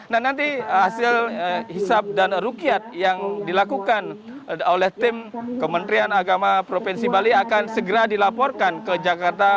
nah nanti hasil hisap dan rukiat yang dilakukan oleh tim kementerian agama provinsi bali akan segera dilaporkan ke jakarta